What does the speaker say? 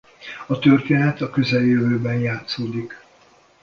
A történet a közeljövőben játszódik.